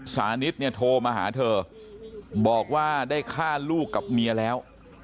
สานิทเนี่ยโทรมาหาเธอบอกว่าได้ฆ่าลูกกับเมียแล้ว